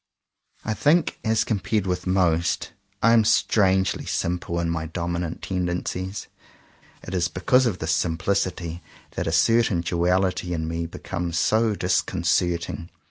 I think as 11 CONFESSIONS OF TWO BROTHERS compared with most, I am strangely simple in my dominant tendencies. It is because of this simplicity that a certain duality in me becomes so disconcerting.